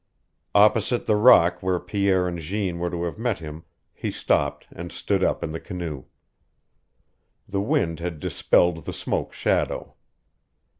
Opposite the rock where Pierre and Jeanne were to have met him he stopped and stood up in the canoe. The wind had dispelled the smoke shadow.